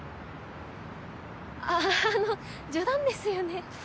あぁあの冗談ですよね？